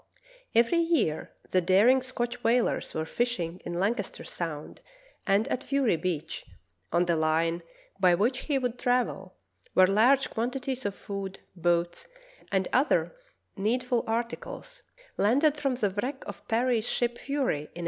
Every year the dar ing Scotch whalers were fishing in Lancaster Sound, and at Fury Beach, on the line by which he would travel, were large quantities of food, boats, and other 42 True Tales of Arctic Heroism needful articles — landed from the wreck of Parry's ship Fury in 1825.